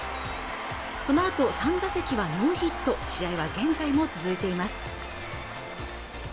そのあと３打席はノーヒット試合は現在も続いています